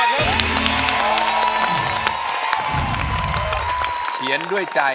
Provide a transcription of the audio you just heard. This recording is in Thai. เพลงที่๒นะครับ